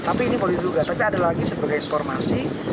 tapi ini boleh diduga tapi ada lagi sebagai informasi